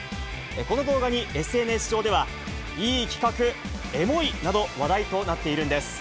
この動画に、ＳＮＳ上では、いい企画、エモいなどと話題となっているんです。